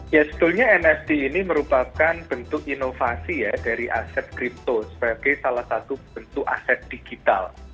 ya sebetulnya nft ini merupakan bentuk inovasi ya dari aset kripto sebagai salah satu bentuk aset digital